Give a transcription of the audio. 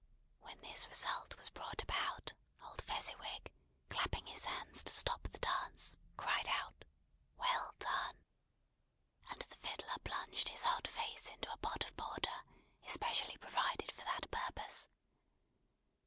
When this result was brought about, old Fezziwig, clapping his hands to stop the dance, cried out, "Well done!" and the fiddler plunged his hot face into a pot of porter, especially provided for that purpose.